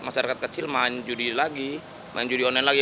masyarakat kecil main judi lagi main judi online lagi